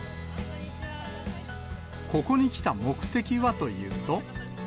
ここに来た目的はというと。